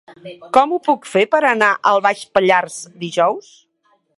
Com ho puc fer per anar a Baix Pallars dijous?